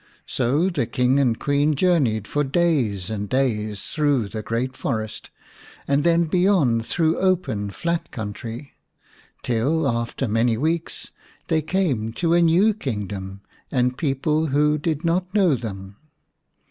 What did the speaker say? So the King and Queen journeyed for days and days 99 The Serpent's Bride ix through the great forest, and then beyond through open flat country, till, after many weeks, they came to a new kingdom and people who did not know them.